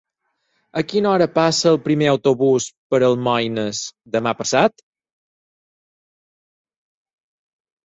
A quina hora passa el primer autobús per Almoines demà passat?